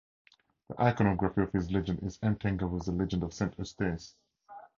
The iconography of his legend is entangled with the legend of Saint Eustace.